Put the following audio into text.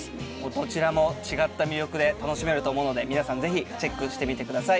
どちらも違った魅力で楽しめると思うので皆さんぜひチェックしてみてください。